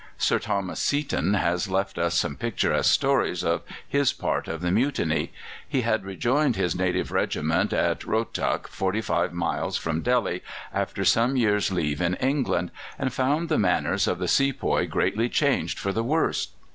Sir Thomas Seaton has left us some picturesque stories of his part in the Mutiny. He had rejoined his native regiment at Rohtuck, forty five miles from Delhi, after some years' leave in England, and found the manners of the sepoy greatly changed for the worse.